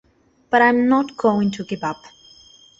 But I'm not going to give up.